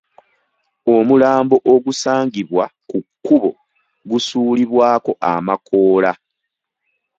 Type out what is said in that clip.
Omulambo ogusangibwa ku kkubo gusuulibwako amakoola.